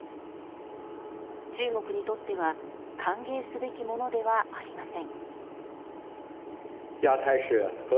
中国にとっては歓迎すべきものではありません。